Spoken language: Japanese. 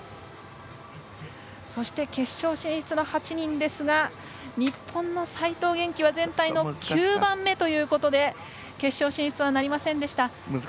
そして決勝進出の８人ですが日本の齋藤元希は全体の９番目ということで決勝進出はなりませんでした。